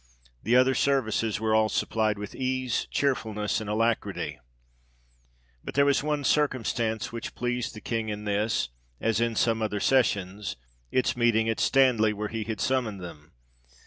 The other services were all supplied with ease, chearfulness and alacrity. But there was one circumstance which pleased the King in this, as in some other sessions its meeting at 92 THE REIGN OF GEORGE VI. Stanley ; where he had summoned them.